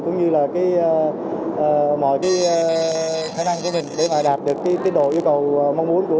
cũng như là mọi khả năng của mình để đạt được tín đồ yêu cầu mong muốn